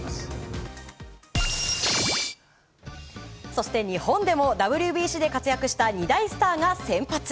そして日本でもＷＢＣで活躍した２大スターが先発。